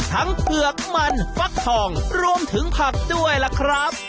เผือกมันฟักทองรวมถึงผักด้วยล่ะครับ